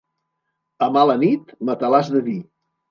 A mala nit, matalàs de vi.